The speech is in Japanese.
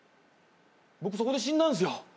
僕そこで死んだんっすよ